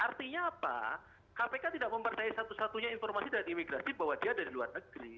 artinya apa kpk tidak mempercayai satu satunya informasi dari imigrasi bahwa dia dari luar negeri